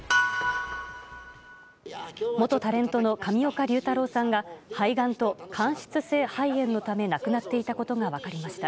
元タレントの上岡龍太郎さんが肺がんと間質性肺炎のため亡くなっていたことが分かりました。